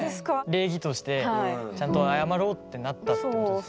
礼儀としてちゃんと謝ろうってなったってことですよね？